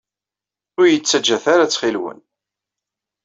Ur iyi-ttaǧǧat ara, ttxil-wen!